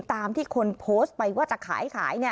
ตามที่คนโพสต์ไปว่าจะขายขาย